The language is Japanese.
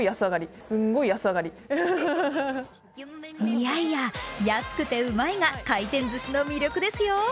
いやいや、安くてうまいが回転ずしの魅力ですよ。